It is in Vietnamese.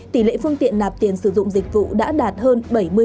tỷ lệ phương tiện nạp tiền sử dụng dịch vụ đã đạt hơn bảy mươi